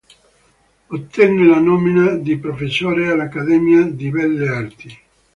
Ottenne la nomina di professore all'Accademia di Belle Arti.